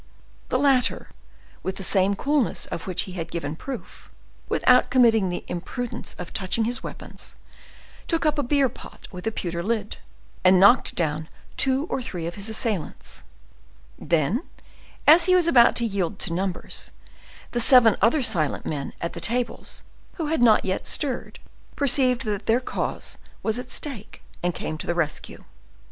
The latter, with the same coolness of which he had given proof, without committing the imprudence of touching his weapons, took up a beer pot with a pewter lid, and knocked down two or three of his assailants; then, as he was about to yield to numbers, the seven other silent men at the tables, who had not yet stirred, perceived that their cause was at stake, and came to the rescue.